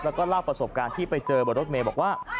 แล้วก็เล่าประสบการณ์ที่ไปเจอบนรถเมย์บอกว่า